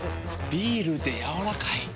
ビールでやわらかい。